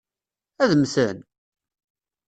Ad mmten?